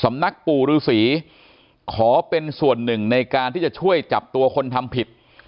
นักปู่ฤษีขอเป็นส่วนหนึ่งในการที่จะช่วยจับตัวคนทำผิด